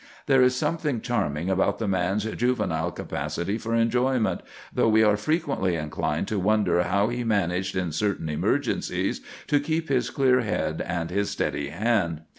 There is something charming about the man's juvenile capacity for enjoyment, though we are frequently inclined to wonder how he managed in certain emergencies to keep his clear head and his steady hand.